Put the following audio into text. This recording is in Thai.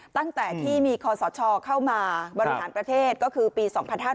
ตั้งแต่ที่มีคศเข้ามาบริหารประเทศก็คือปี๒๕๕๙